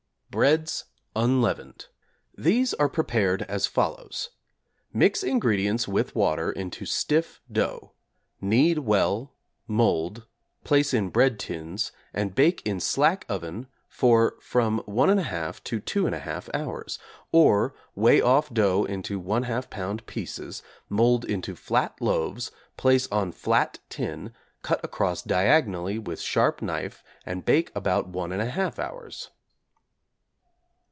BREADS (unleavened) These are prepared as follows: Mix ingredients with water into stiff dough; knead well, mould, place in bread tins, and bake in slack oven for from 1 1/2 to 2 1/2 hours (or weigh off dough into 1/2 lb. pieces, mould into flat loaves, place on flat tin, cut across diagonally with sharp knife and bake about 1 1/2 hours).